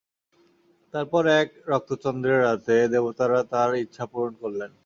তারপর এক রক্তচন্দ্রের রাতে, দেবতারা তার ইচ্ছা পূরণ করলেন।